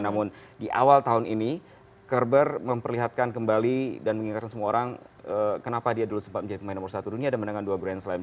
namun di awal tahun ini kerber memperlihatkan kembali dan mengingatkan semua orang kenapa dia dulu sempat menjadi pemain nomor satu dunia dan menangkan dua grand slam